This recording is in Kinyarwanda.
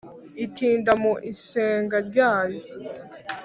itinda mu isenga ryayo,